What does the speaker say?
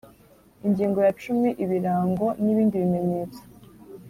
Ingingo ya cumi Ibirango n ibindi bimenyetso